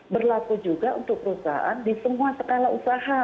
berlaku juga untuk perusahaan di semua skala usaha